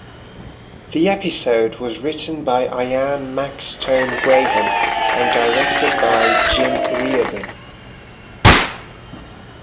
The episode was written by Ian Maxtone-Graham and directed by Jim Reardon.